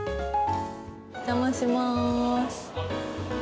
お邪魔します。